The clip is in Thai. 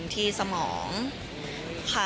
ที่สมองค่ะ